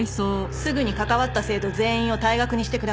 すぐに関わった生徒全員を退学にしてください。